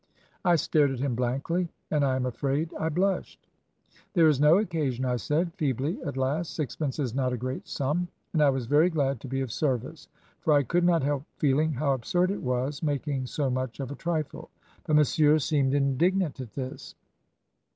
"I stared at him blankly, and I am afraid I blushed. "'There is no occasion,' I said, feebly, at last. 'Sixpence is not a great sum, and I was very glad to be of service;' for I could not help feeling how absurd it was, making so much of a trifle. But Monsieur seemed indignant at this.